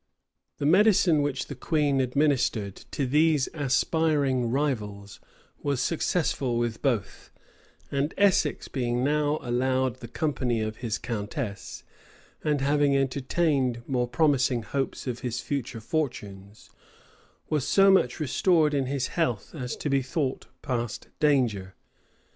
[] {1600.} The medicine which the queen administered to these aspiring rivals was successful with both; and Essex, being now allowed the company of his countess, and having entertained more promising hopes of his future fortunes, was so much restored in his health as to be thought past danger.